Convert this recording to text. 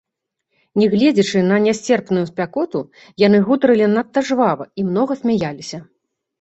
Нягледзячы на нясцерпную спякоту, яны гутарылі надта жвава і многа смяяліся.